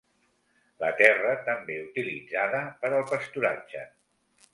La terra també utilitzada per al pasturatge.